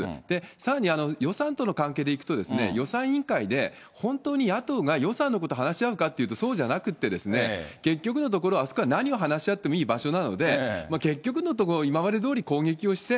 さらに予算との関係でいくと、予算委員会で、本当に野党が予算のことを話し合うかというと、そうじゃなくてですね、結局のところ、あそこは何を話し合ってもいい場所なので、結局のところ、今までどおり攻撃をして。